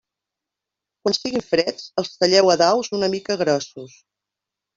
Quan siguin freds, els talleu a daus una mica grossos.